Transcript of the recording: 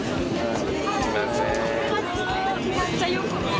めっちゃよく見る。